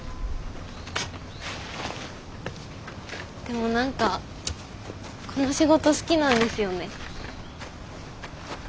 でも何かこの仕事好きなんですよね。